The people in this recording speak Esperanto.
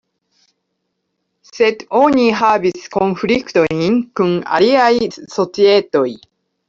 Sed oni havis konfliktojn kun aliaj societoj.